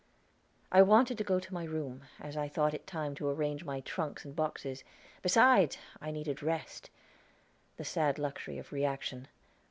I wanted to go to my room, as I thought it time to arrange my trunks and boxes; besides, I needed rest the sad luxury of reaction.